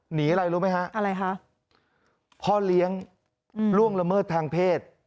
หนีอะไรรู้ไหมฮะอะไรคะพ่อเลี้ยงล่วงละเมิดทางเพศ